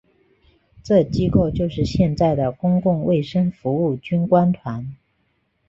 这机构就是现在的公共卫生服务军官团。